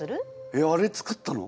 えっあれ作ったの？